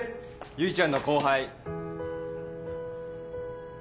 結ちゃんの後輩。